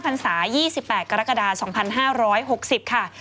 ๖๕พันธ์ศาสตร์๒๘กรกฎา๒๕๖๐ค่ะ